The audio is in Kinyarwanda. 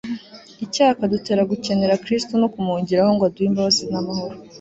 icyaha akadutera gukenera kristo no kumuhungiraho ngo aduhe imbabazi n'amahoro